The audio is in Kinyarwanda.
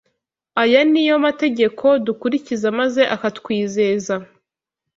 Aya ni yo mategeko dukurikiza maze akatwizeza